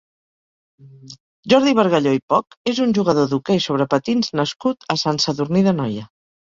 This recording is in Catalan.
Jordi Bargalló i Poch és un jugador d'hoquei sobre patins nascut a Sant Sadurní d'Anoia.